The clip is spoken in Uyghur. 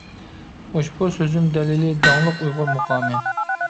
ئۇشبۇ سۆزۈم دەلىلى : داڭلىق ئۇيغۇر مۇقامى.